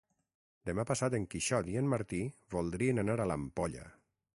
Demà passat en Quixot i en Martí voldrien anar a l'Ampolla.